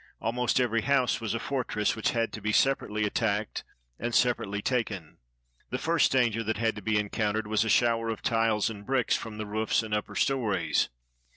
288 THE FALL OF CARTHAGE Almost every house was a fortress which had to be sep arately attacked and separately taken. The first danger that had to be encountered was a shower of tiles and bricks from the roofs and upper stories.